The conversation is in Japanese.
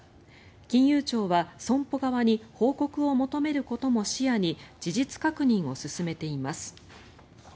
金融庁は損保側に報告を求めることも視野に事実確認を進めています。